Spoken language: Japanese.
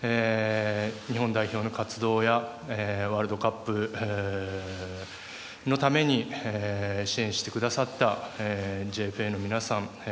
日本代表の活動やワールドカップのために支援してくださったＪＦＡの皆さん